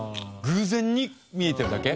偶然に見えてるだけ？